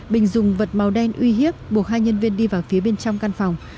bình dùng vật màu đen uy hiếp buộc hai nhân viên đi vào phía bên trong căn phòng